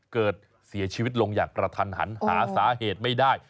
เสียชีวิตลงอย่างกระทันหันหาสาเหตุไม่ได้